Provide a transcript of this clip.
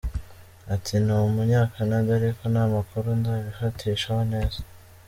Ati “Ni Umunya-Canada ariko nta makuru ndabifatishaho neza.